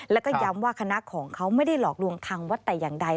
แล้วก็ย้ำว่าคณะของเขาไม่ได้หลอกลวงทางวัดแต่อย่างใด